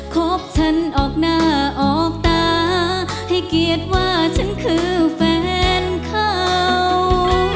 คบฉันออกหน้าออกตาให้เกียรติว่าฉันคือแฟนเขา